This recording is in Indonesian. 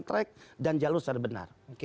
track dan jalur secara benar